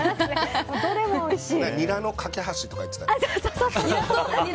ニラの架け橋とか言ってた。